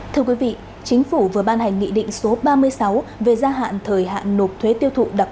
thưa quý vị chính phủ vừa ban hành nghị định số ba mươi sáu về gia hạn thời hạn nộp thuế tiêu thụ đặc